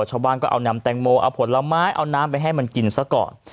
ชาวบ้านก็เอานำแตงโมเอาผลไม้เอาน้ำไปให้มันกินซะก่อน